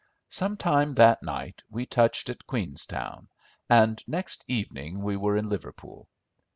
Some time that night we touched at Queenstown, and next evening we were in Liverpool.